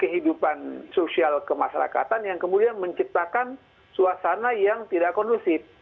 kehidupan sosial kemasyarakatan yang kemudian menciptakan suasana yang tidak kondusif